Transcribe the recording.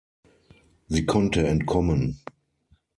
Sie konnte entkommen.